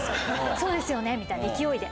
「そうですよね！」みたいな勢いで。